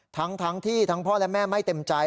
ทั้งที่ทั้งพ่อและแม่ไม่เต็มใจ